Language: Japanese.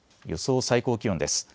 予想最高気温です。